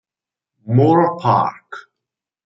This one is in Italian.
Moor Park